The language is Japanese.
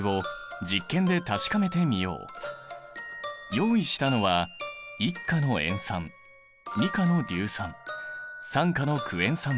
用意したのは１価の塩酸２価の硫酸３価のクエン酸だ。